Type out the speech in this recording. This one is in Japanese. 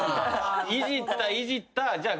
いじったいじったじゃあ